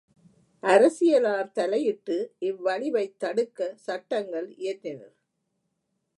அரசியலார் தலையிட்டு இவ்வழிவைத் தடுக்கச் சட்டங்களியற்றினர்.